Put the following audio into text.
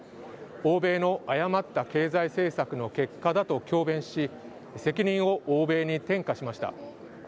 欧米の誤った経済政策の結果だと強弁し、責任を欧米に転嫁しました。